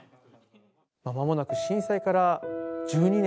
まもなく震災から１２年。